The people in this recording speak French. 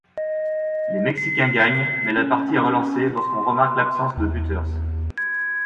Les Mexicains gagnent, mais la partie est relancée lorsqu'on remarque l'absence de Butters.